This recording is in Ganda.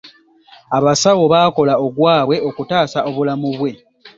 Abasawo baakola ogwabwe okutaasa obulamu bwe.